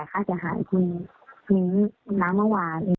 ขอค่าเสียหายคุณเท่าไหร่